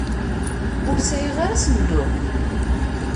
Ur sɛiɣ ara asenduq.